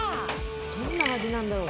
どんな味なんだろう？